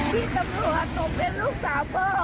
พี่ตำรวจตกเป็นลูกสาวพ่อ